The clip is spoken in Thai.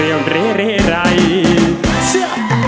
เรียมเละเละไร